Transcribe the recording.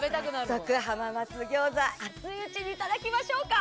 早速、浜松ギョーザ、熱いうちにいただきましょうか。